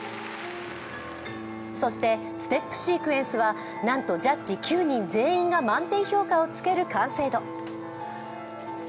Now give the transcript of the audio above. そしてステップシークエンスは何とジャッジ９人全員が満点評価をつける完成度。